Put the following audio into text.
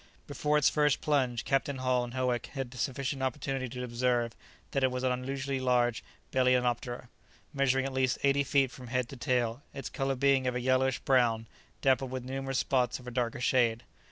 Before its first plunge Captain Hull and Howick had sufficient opportunity to observe that it was an unusually large balaenoptera, measuring at least eighty feet from head to tail, its colour being of a yellowish brown, dappled with numerous spots of a darker shade.